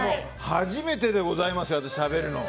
初めてでございます、食べるの。